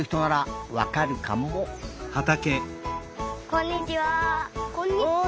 こんにちは。